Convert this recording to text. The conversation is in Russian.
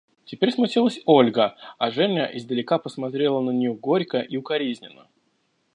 Теперь смутилась Ольга, а Женя издалека посмотрела на нее горько и укоризненно.